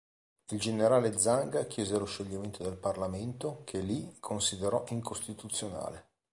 Il generale Zhang chiese lo scioglimento del parlamento, che Li considerò incostituzionale.